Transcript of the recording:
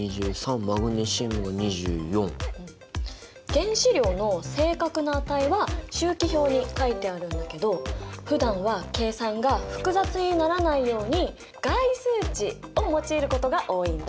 原子量の正確な値は周期表に書いてあるんだけどふだんは計算が複雑にならないように概数値を用いることが多いんだ。